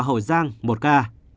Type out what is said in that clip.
hậu giang một ca